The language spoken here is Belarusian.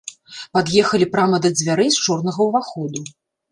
Пад'ехалі прама да дзвярэй з чорнага ўваходу.